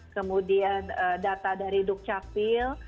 kemudian data dari dukcapil